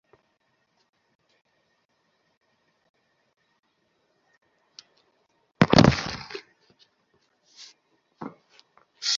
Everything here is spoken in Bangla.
আমার মা-ঠাকরুনের সেবা করিয়া জীবন কাটাইব।